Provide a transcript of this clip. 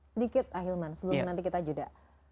sedikit ahilman sebelum nanti kita jeda